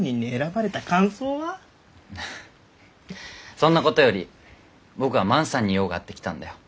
そんなことより僕は万さんに用があって来たんだよ。